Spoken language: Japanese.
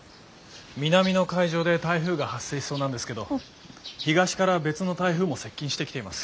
南の海上で台風が発生しそうなんですけど東から別の台風も接近してきています。